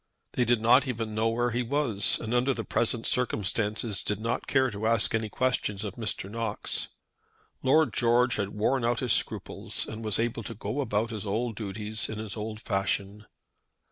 They did not even know where he was, and under the present circumstances did not care to ask any questions of Mr. Knox. Lord George had worn out his scruples, and was able to go about his old duties in his old fashion.